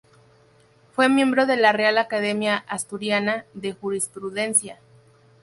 Fue miembro de la Real Academia Asturiana de Jurisprudencia.